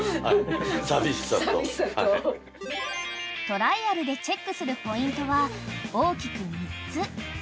［トライアルでチェックするポイントは大きく３つ］